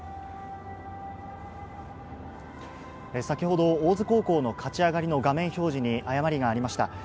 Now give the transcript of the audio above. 先ほど大津高校の勝ち上がりの画面表示に誤りがありました。